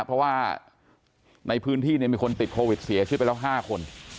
เพราะว่าในพื้นที่มีคนติดโควิดเสียชีวิตไปแล้ว๕คน